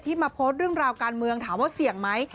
มาโพสต์เรื่องราวการเมืองถามว่าเสี่ยงไหม